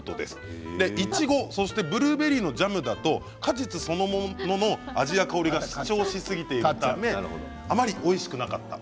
いちごそしてブルーベリーのジャムだと果実そのものの味や香りが主張し過ぎているためあまりおいしくなかった。